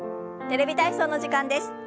「テレビ体操」の時間です。